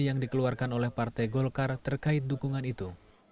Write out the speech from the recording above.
yang dikeluarkan oleh partai golkar terkait dukungan itu